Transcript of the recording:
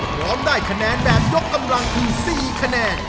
พร้อมได้คะแนนแบบยกกำลังคือ๔คะแนน